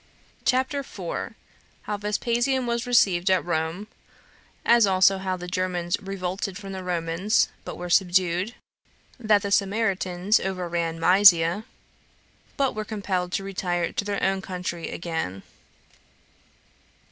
CHAPTER 4. How Vespasian Was Received At Rome; As Also How The Germans Revolted From The Romans, But Were Subdued. That The Sarmatians Overran Mysia, But Were Compelled To Retire To Their Own Country Again.